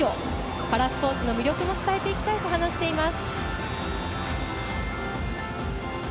パラスポーツの魅力も伝えていきたいと話しています。